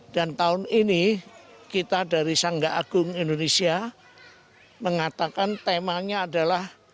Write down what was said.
dan tahun ini kita dari sangga agung indonesia mengatakan temanya adalah